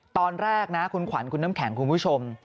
ตอนแรกนะคุณขวัญคุณน้ำแข็งคุณผู้ชม